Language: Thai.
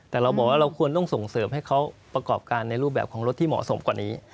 แต่เราบอกว่าเราควรต้องส่งเสริมให้เขาประกอบการในรูปแบบของรถที่เหมาะสมกว่านี้